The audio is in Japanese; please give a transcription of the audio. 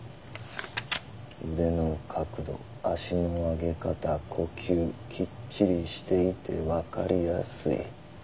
「腕の角度足の上げ方呼吸きっちりしていてわかりやすい」。